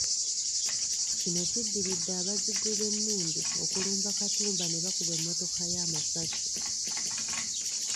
Kino kiddiridde abazigu b’emmundu okulumba Katumba ne bakuba emmotoka ye amasasi.